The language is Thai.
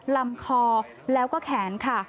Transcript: ลำคอแล้วก็แขนค่ะ